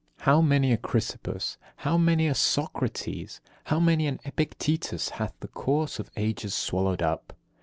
How many a Chrysippus, how many a Socrates, how many an Epictetus hath the course of ages swallowed up!